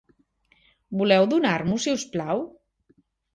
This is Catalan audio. Voleu donar-m'ho, si us plau?